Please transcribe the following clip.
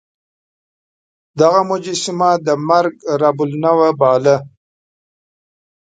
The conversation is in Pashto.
دغه مجسمه د مرګ رب النوع باله.